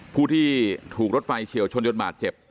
ผู้ที่ถูกรถไฟเฉียวชนจนบาดเจ็บ